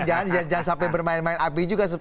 jangan sampai bermain main api juga